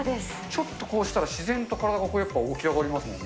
ちょっとこうしたら、自然と体がやっぱ起き上がりますもんね。